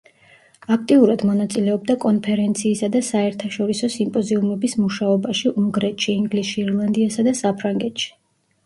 აქტიურად მონაწილეობდა კონფერენციისა და საერთაშორისო სიმპოზიუმების მუშაობაში უნგრეთში, ინგლისში, ირლანდიასა და საფრანგეთში.